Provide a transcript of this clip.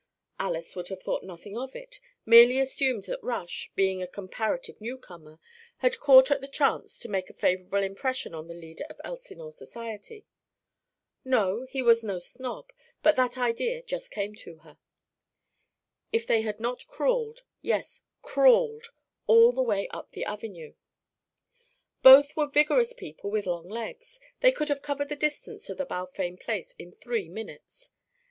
Alys would have thought nothing of it merely assumed that Rush, being a comparative newcomer, had caught at the chance to make a favourable impression on the leader of Elsinore society (no, he was no snob, but that idea just came to her), if they had not crawled, yes, crawled all the way up the avenue. Both were vigorous people with long legs; they could have covered the distance to the Balfame place in three minutes.